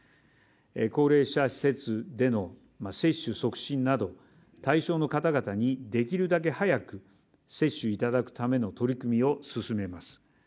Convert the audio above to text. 高齢者施設での接種促進など対象の方々にできるだけ早く接種いただくための取り組みを進めます。